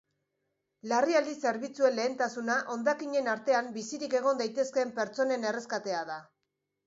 Larrialdi zerbitzuen lehentasuna hondakinen artean bizirik egon daitezken pertsonen erreskatea da.